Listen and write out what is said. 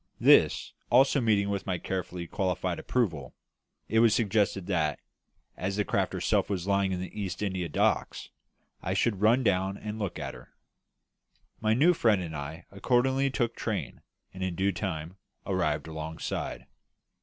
This also meeting with my carefully qualified approval, it was suggested that, as the craft herself was lying in the East India Docks, I should run down and look at her. My new friend and I accordingly took train, and in due time arrived alongside.